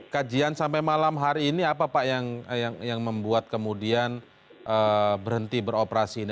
kajian sampai malam hari ini apa pak yang membuat kemudian berhenti beroperasi ini